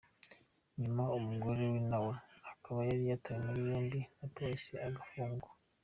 Nyuma umugore we nawe akaba yari yatawe muri yombi na Polisi agafungwa.